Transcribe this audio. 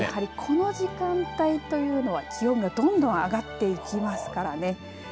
この時間帯っていうのは気温がどんどん上がっていきますからね。